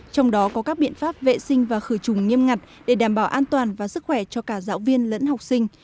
trong đó có các biện pháp vệ sinh và khử trùng nghiêm ngặt để đảm bảo an toàn và sức khỏe cho cả giáo viên lẫn học sinh